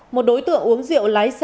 một đối tượng uống rượu lái xe